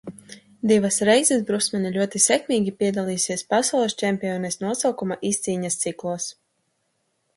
Divas reizes Brustmane ļoti sekmīgi piedalījusies Pasaules čempiones nosaukuma izcīņas ciklos.